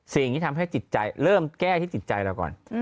สิ่งที่ทำให้จิตใจเริ่มแก้ที่จิตใจเราก่อน